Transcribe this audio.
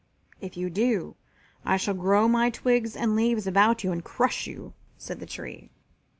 If you do I shall grow my twigs and leaves about you and crush you," said the tree.